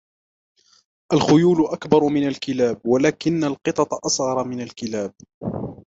الخيول أكبر من الكلاب ، ولكن القطط أصغر من الكلاب.